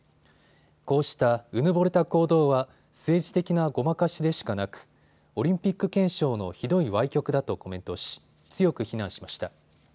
こうしたうぬぼれた行動は政治的なごまかしでしかなくオリンピック憲章のひどいわい曲だとコメントし強く非難しました。